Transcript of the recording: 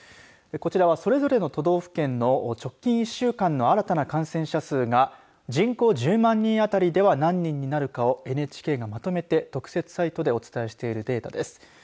こちらはそれぞれの都道府県の直近１週間の新たな感染者数が人口１０万人あたりでは何人になるかをＮＨＫがまとめて特設サイトでお伝えしているデータです。